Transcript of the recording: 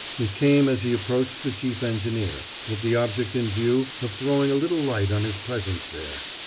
It came as he approached the chief engineer, with the object in view of throwing a little light on his presence there.